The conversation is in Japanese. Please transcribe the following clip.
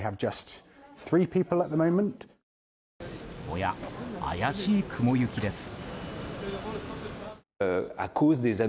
おや、怪しい雲行きです。